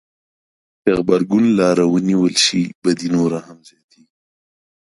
که غبرګون لاره ونیول شي بدي نوره هم زياتېږي.